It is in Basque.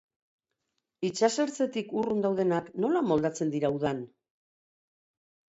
Itsasertzetik urrun daudenak, nola moldatzen dira udan?